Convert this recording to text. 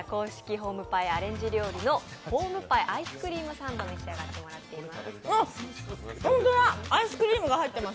ホームパイアレンジ料理のホームパイアイスクリームサンド召し上がってもらっています。